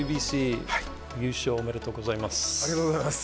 ありがとうございます。